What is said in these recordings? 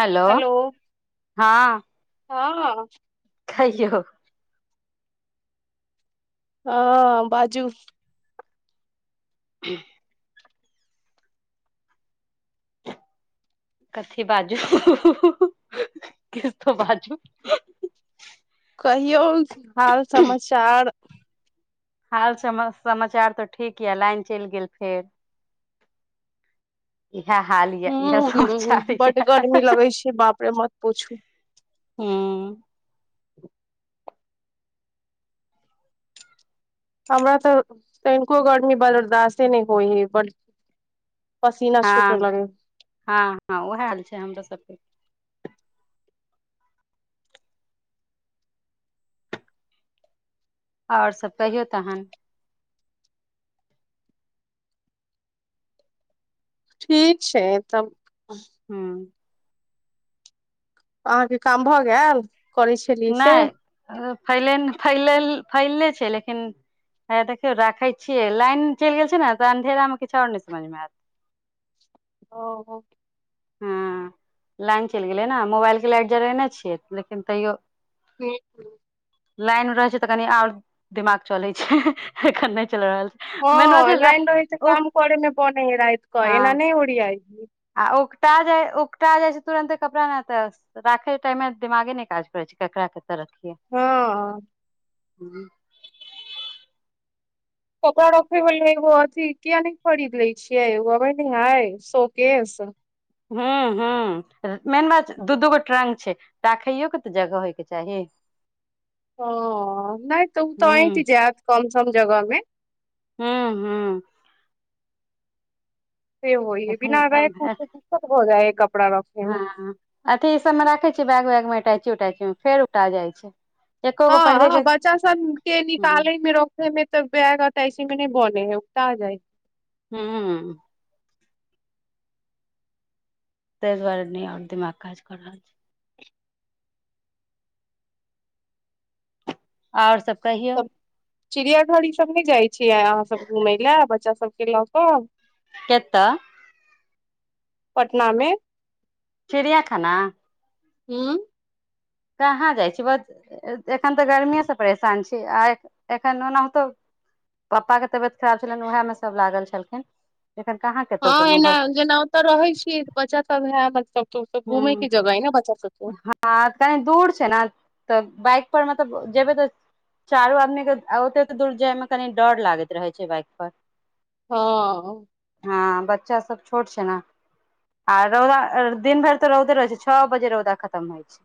hello हाँ हाँ हाँ खइयौ हाँ बाजू [inaudible] कथी बाजू हु हु हु किस तो बाजू कहियौ हाल समाचार हाल सम समाचार तऽ ठीक यऽ लाइन चलि गेल फेर [inaudible] इएह हाल यऽ इह हूं समाचार यऽ बड गर्मी लगै छै बाप रे मत पूछू हँ हमरा तऽ तनिको गर्मी बर्दाश्त नहि होइ हइ ब हँ हँ हँ उएहाल छै हमरो सबके और सभ कहियो तहन ठिक छै तब हू अहाँ के काम भऽ गेल करै छलियै से नहि फैलेन फैल फैलले छै लेकिन हँ देखिय राखाय छिय लाइन चलि गेल छै ने अंधेरा में किछु और ने सम समझमे आ ओ हो हँ लाइन चलि गेलै ने मोबाइल के लाइट जरेने छियै लेकिन तैयो ह्म लाइन रहैत छै तऽ कनि आ और दिमाग चलै छै एखन नहि चल रहल छै मेन बात हँ छै लाइन रहि छै ओ काम करमे बने रात क हँ ए न नहि ओड़ियाइ कटा जाय छै तुरंते कपड़ा ने तऽ राखे टाइ मे दिमागे ने काज करे छै ककरा त रखिए हँ ह कपड़ा रखय लो अथथि किया नहि खरीद लै छियै हबै न हाय शो केस ह ह मेन बात दू दूगो ट्रंक छै राखैयो के तऽ जगह होयके चाही ह नहि तू तऽ अइट हूँ जायत कम सम जगह में हू हू से होइहे एखन बिना रैक के दिक्कत हो जाए हँ अथी ई सबमे राखै छिय बैग वैग मे इटाैची अटाइची मे फेर उक्टा जाइ छै एको गो हँ पहिरे हँ के बच्चा सब के हूँ निकालै मे रखे मे तब बैग अटाइची मे तऽ नइ बोनेै हे उकटा जाइ हूँ ताहि दुआरे नै आब और दिमाग काज कऽ रहल छै आऔर सब कहियौ चिड़िया घर ईसभ नइ जाइत छियै अहाँसभ घुमय लए बच्चा सभके लऽ कऽ केतअ पटना मे चिड़िया खाना हू कहाँ जाइ छी बस एखन तऽ गर्मी सँ परेशान छी आ एखन ओनाहुतो पापा के तबियत खराब छलनि उएहमे सभ लागल छलखिन एखन कहाँ हँ कतहु गेलहुँ एना ह जेना ओतऽ रहै छीयै बच्चा सब भेल मतलब तऽ घूमे ह के जगह अइ ने बच्चा सबके हँ कनी दूर छै ने तऽ बाइक पर मे जेबै तऽ चारू आदमी के ओतेकऽ दूर जायमे कनि डर लागैत रहै छै बाइक पर हँ ह बच्चा सब छोट छै न आ रौदा दिन भरि तऽ रौदे रहै छै छओ बजे रौदा खतम होइ छै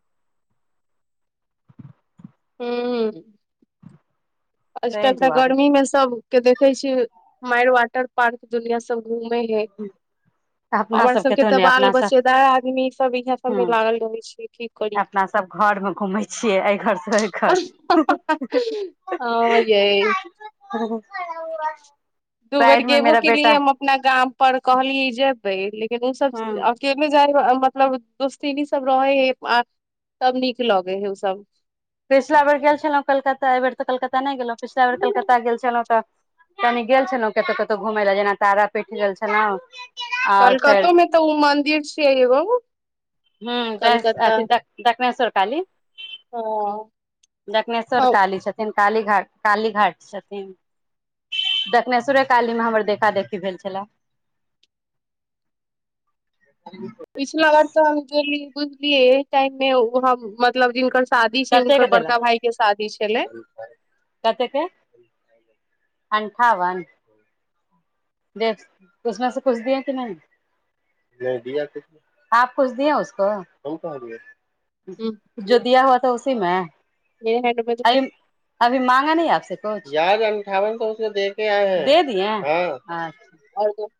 हू आजकल ताहि तऽ दुआरे गर्मी मे सब के देखे छी मायर वाटर पार्क दुनिया सब घूमे हय अपना हमर सबके तो तऽ नहि बाल अपना सब बच्चेदार आदमी सब इहे सब मे ह लागल रहे छै की करी अपना सभ घरमे घूमै छियै एहि घर से ओइ घर ह यै दू बेर साइड मे गेबो मेरा बेटा केलिये हम अपना गाम पर कहलियै जेबै लेकिन हमसब हूँ एकेले जाय मतलब दोस्तिन सब रहे हे आ तब नीक लगे है ओ सब पिछला बेर गेल छलहुँ कलकत्ता एहि बेर तऽ कलकत्ता नहि गेलहुँ पिछला बेर कलकत्ता गेल छलहुँ तऽ कनी गेल छलौ कतहु कतहु घुमय लए जेना तारापीठ गेल छलौ कलकतो मे तऽ उ मंन्दिर छियै एगो ह बस कलकत्ता अथ दक्षनेेश्वर काली हँ दक्षनेश्वर हँ काली छथिन काली घा काली घाट छथिन दक्षनेश्वरे कालीमे हमर देखादेखी भेल छलैह [inaudible] पिछला बार तऽ हम गेल बुझलियै टाइम मे हम मतलब जिनकर शादी छै हुनकर कतेक देलक बड़का भाई के शादी छलै कतेक के अंठावन उसमे से कुछ दिए कि नहि नइ दिया कुछ आप कुछ दिये उसको हम कहा दिये जो दिया हुआ था उसीमे अभी माँंगा नइ आपसे याद है कुछ याद अन्ठावन सौ से उसो दे के आए है दे दिय हँ अच्छा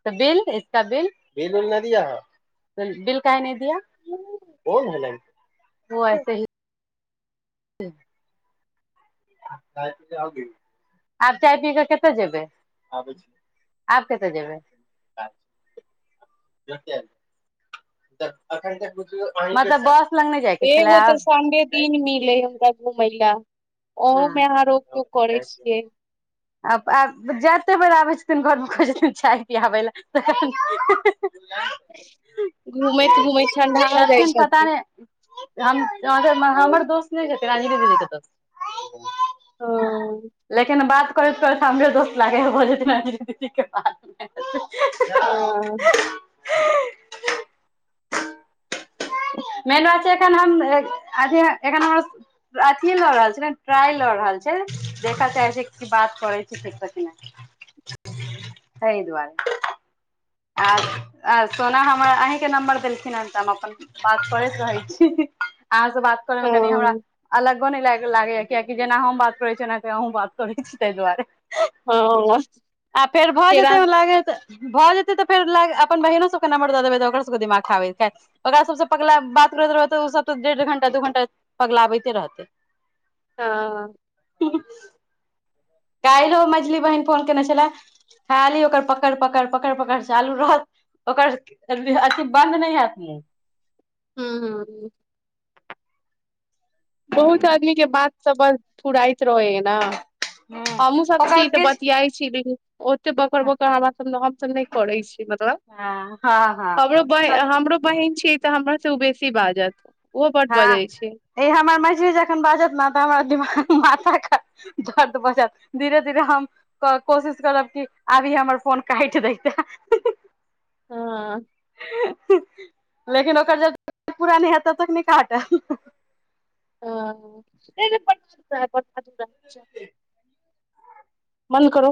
तऽ बिल इसका बिल बिल उल न दिया है बिल काहे नइ दिया बोल है न वो ऐसे ही त आ गेल आब चाय पी कऽ केतअ जेबै आबय छी आब कतअ जेबै ख त त एखइते कुछ मतलब बस एगो तऽ संडे दिन मिलै हमरा घुमय लए ओहोमे अहाँ रोक टौक करै छियै आब आब जते बेर आबै छथिन घरमे कहै छथिन चाय पिआबै ल [unintelligible] घूमैत ठंडा जाइ छथिन पता नहि हमर हँ दोस्त नहि हेथिन लेकिन बात [unintelligible] करैत करैत हमरे दोस्त लागैया भऽ जेथिन बात मे हँ [unintelligible] मेन बात छै एखन हम अथी एखन हम अथी ल रहल छी ट्रायल ल रहल हाल छै देखा चाहै छै कथी बात करै छै कथी नहि तै दुआरे आ सोना हमर अहीँके नम्बर देलखिन हेन तऽ हम अपन बात करैत रहै छी अहाँ से बात करे मे कनि हमरा हँ अलग नहि ल लागैया कियाकि जेना हम बात करै छी तेनाहिते अहुं बात करै छी ताहि दुआरे हँ आ फेर भऽ फेरा जेतै लाग भऽ जेतै फेर अपन बहिनो सबके नमरद देबै तऽ ओ सब दिमाग खाब ओकरा सब पगलैब बात करैत रहब त सब तऽ डेढ़ घंटा दू घंटा पगलाबैते रहतै हँ कइल हो मछली बहिन फोन केने छलए खाली ओकर पकड़ पकड़ पकड़ पकड़ चालू रहत ओकर अथि बन्द नहि हैत मुंह हूं हूं बहुत आदमी के बात समझ फुराइत रहै है न हमहुँ सब छी ओकर तऽ किछु बतियाइ छी ओते बकर बकर हमरा सभ हमसभ नहि करै छी मतलब हँ हँ हँ हमरो बहीं तऽ हमरो बहिन छी तऽ हमर से उ बेसी बाजत ओहो बड हँ बजै छै ई हमर म जखन बाजत ने तहन हमर दिमाग़ माथा खराब दर्द भ जेत धीरे धीरे हम क कोशिश करब कि आबी हमर फोन काटि दैता हँ [unintelligible] लेकिन ओकर जब तक पूरा नहि होयत तब तक नहि काटत ह [unintelligible] मन करो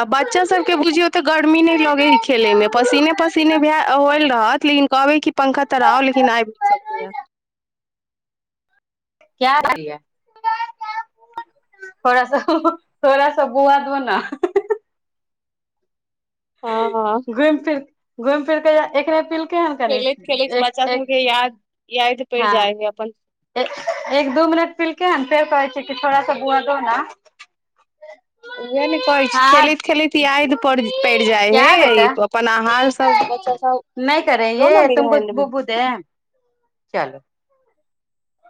आ बच्चा सभके बुझियौ तऽ गर्मी नहि लगैहे खेलयमे पसीने पसीने भे होइल रहत लेकिन कहबै कि पंखा तऽर आओ लेकिन आएब नहीं सकै या [inaudible] क्या रै थोड़ा सा थोड़ा सा बुआ दो न हं हं घुमि फिर घुमि फिर क ये एकरे तिल खेलैत खेलैत बच्चा सबके याद याद पड़ि हँ जाइ है अपन एक दू मिनट पिलकेै हन फेर कहै छ कि थोड़ा सा बुआ दो न उह ने कहै छी हँ खेलैत खेलैत याइद पड़ि जाइ क्या बेटा है अपन आहार सब बच्चा सब नहि करे दो न ये मेरे तुमको हैंड मे बुबु दें चलो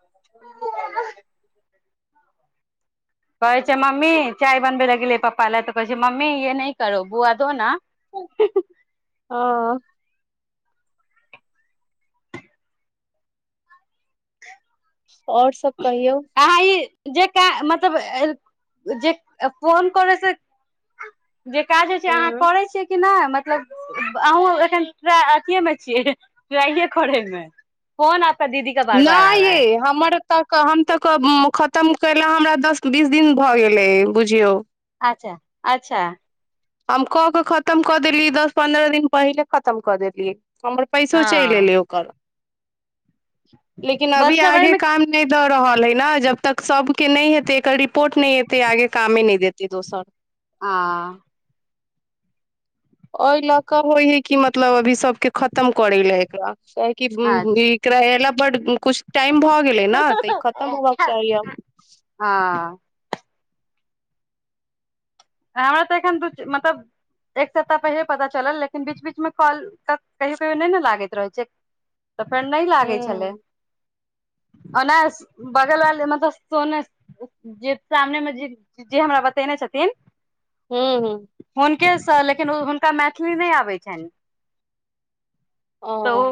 [unintelligible] कहै छै मम्मी चाय बनबै लए गेलै पप्पा ल तऽ कहै छै मम्मी य नहि करू बुआ दो न [unintelligible] हँ आओर सब कहियौ अहाँ ई जे का मतलब जे फोन करै छै जे काज होइ छै अहाँ हूँ करै छियै कि नहि मतलब अहूँ एखन अथिए मे छियै टराइए करैमे फोन आपका दीदी का बार बार आ नहि रहा है ये हमर त क हम त हम तऽ खतम कयला हमरा दस बीस दिन भऽ गेलै बुझियौ अच्छा अच्छा हम कऽ के खतम कऽ देली दस पन्द्रह दिन पहिले खतम कऽ देली हमर पैसो चैल हँ एलय ओकर लेकिन अभी मतलब आगे एहिमे काम नहि दऽ रहल नै ने जब तक सबके नहि हेतै एकर रिपोर्ट नहि एेतै आगे कामे नहि देतै दोसर आ ओहि लऽ कऽ होइ है कि मतलब अभी सबके खतम करे ले एकरा आकि क बि अच्छा बिक्रहले बड कुछ टाइम भऽ गेलै ने तऽ ई खतम होबाक के चाही आब हँ हमरा तऽ एखन दू मतलब एक सप्ताह पहिले पता चलल लेकिन बीच बीचमे कॉल त कहियो कहियो नै ने लागैत रहैत छै तऽ फेर नहि लागे छलै हूँ ओना बगल बाल मतलब सोन जे सामने में जे जे हमरा बतेने छथिन हूं हूं के सब लेकिन ओ हुनका मैथिली नहि आबै छनि तऽ ओ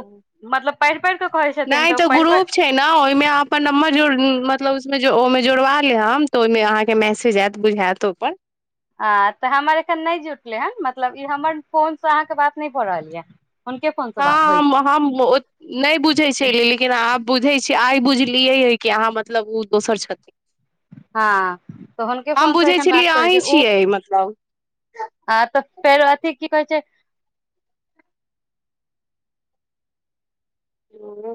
मतलब पएढ़ि पढ़ि कऽ कहै छथिन नहि तऽ ओ पढ़ प ग्रुप छै ने ओहिमे अहाँ अपन नम्बर जोड़ मतलब उहिमे ओहिमे जोड़बा लेब तऽ ओहिमे अहाँके मैसेज आयत बुझायत ओहिपर आँ तऽ हमर एखन नहि जुटलै हेन मतलब ई हमर फोनसँ अहाँके बात नहि भऽ रहल यए हँ हम हम नहि बुझै छै लेकिन आब बुझै आइ बुझलियैै कि अहाँ मतलब ओ दोसर छथिन हँ तऽ हुनके हम फोनसँ बुझै एखन बात छलियै करै छै अहीं ओ छियै मतलब आ तऽ फेर अथि की कहै छै ह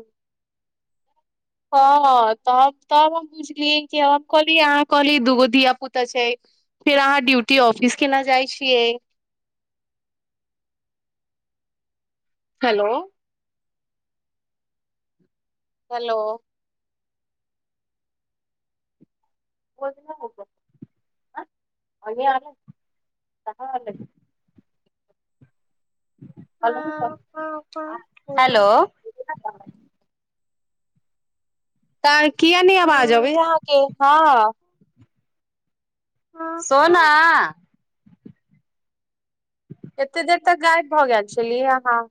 हँ तऽ तब हम बुझलिय कि हम कहली अहाँ कहली दूगो धिय पुता छै फेर अहाँ ड्यूटी ऑफिस केना जाइ छियै [inaudible] हेलो हेलो [unintelligible] ह ह ह हेलो तऽ किए नै आबाज अबै हए अहाँके हँ ह सोना एते देर तक गायब भऽ गेल छली आहाँ